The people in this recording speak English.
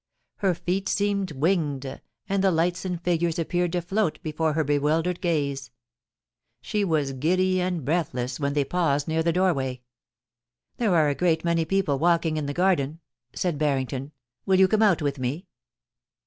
Her feet seemed winged, and the lights and figures appeared to float before her bewildered gaze. She was giddy and breathless when they paused near the doorway. * There are a great many people walking in the garden,' said Harrington. * Will you come out with me